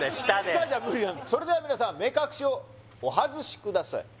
舌でそれでは皆さん目隠しをお外しください